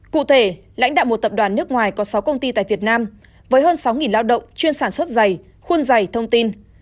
cụ thể lãnh đạo một tập đoàn nước ngoài có sáu công ty tại việt nam với hơn sáu lao động chuyên sản xuất dày khuôn dày thông tin